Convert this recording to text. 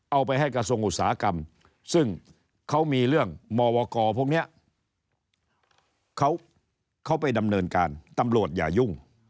เอาไปให้กระทรวงอุตสาหกรรมซึ่งเขามีเรื่องมวกพวกนี้เขาไปดำเนินการตำรวจอย่ายุ่ง